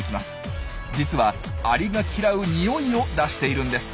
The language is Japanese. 実はアリが嫌うにおいを出しているんです。